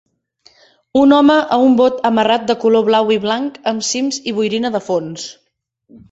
Un home a un bot amarrat de color blau i blanc amb cims i boirina de fons.